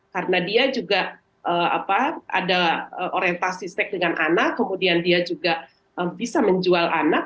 karena dia juga ada orientasi seks dengan anak kemudian dia juga bisa menjual anak